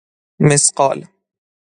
مثقال